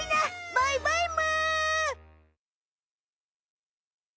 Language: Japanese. バイバイむ！